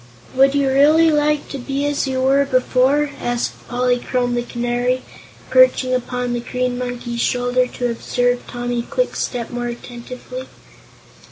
"Would you really like to be as you were before?" asked Polychrome the Canary, perching upon the Green Monkey's shoulder to observe Tommy Kwikstep more attentively.